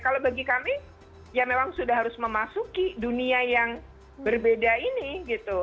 kalau bagi kami ya memang sudah harus memasuki dunia yang berbeda ini gitu